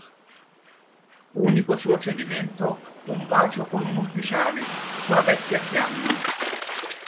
Unico suo cedimento, un bacio con un ufficiale, sua vecchia fiamma.